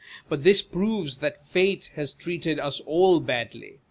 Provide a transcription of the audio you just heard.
But this proves that Fate has treated us all badly.